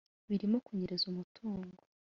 birimo kunyereza umutungo